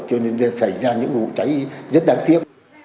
cho nên xảy ra những vụ cháy rất đáng tiếc